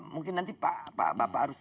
mungkin nanti pak bapak harus